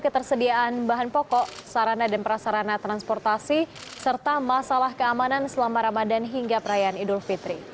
ketersediaan bahan pokok sarana dan prasarana transportasi serta masalah keamanan selama ramadan hingga perayaan idul fitri